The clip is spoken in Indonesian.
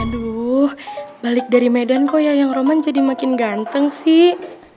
aduh balik dari medan kok ya yang roman jadi makin ganteng sih